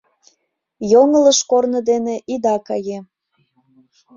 Йоҥылыш корно дене ида кае.